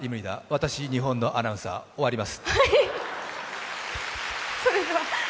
私、日本のアナウンサー、終わります。